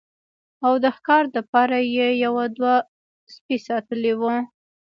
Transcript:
او د ښکار د پاره يې يو دوه سپي ساتلي وو